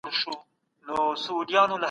خوشاب د کندهار عمومي ميدان لويديځ ته پروت دی